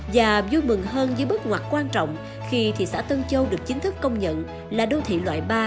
và vui mừng hơn với bước ngoặt quan trọng khi thị xã tân châu được chính thức công nhận là đô thị loại ba